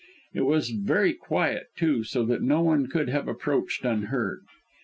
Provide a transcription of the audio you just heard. It was very quiet, too, so that no one could have approached unheard.